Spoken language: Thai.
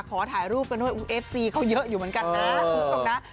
ขอถ่ายรูปกันด้วยเอฟซีเขาเยอะอยู่เหมือนกันนะคุณผู้ชมนะ